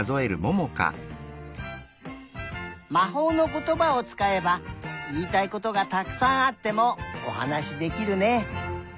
まほうのことばをつかえばいいたいことがたくさんあってもおはなしできるね。